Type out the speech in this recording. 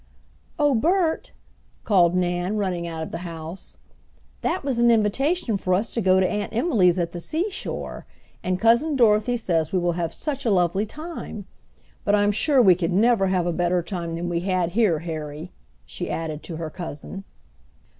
"Oh, Bert!" called Nan, running out of the house. "That was an invitation for us to go to Aunt Emily's at the seashore. And Cousin Dorothy says we will have such a lovely time! But I'm sure we could never have a better time than we had here, Harry," she added to her cousin.